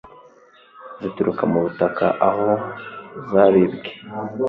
zituruka mu butaka aho zabibwe